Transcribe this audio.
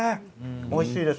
おいしいです。